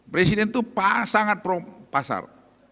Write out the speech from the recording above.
presiden itu sangat pro pasar